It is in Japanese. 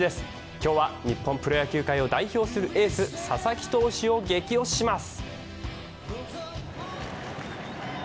今日は日本プロ野球界を代表するエース、佐々木投手を激推しします。